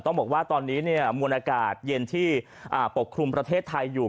ต้องบอกว่าตอนนี้มวลอากาศเย็นที่ปกคลุมประเทศไทยอยู่